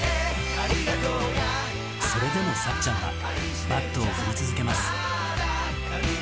それでもさっちゃんは、バットを振り続けます。